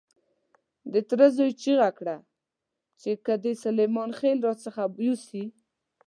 د تره زوی چیغه کړه چې که دې سلیمان خېل را څخه يوسي.